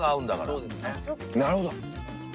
なるほど。